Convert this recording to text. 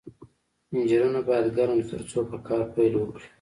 انجنونه باید ګرم شي ترڅو په کار پیل وکړي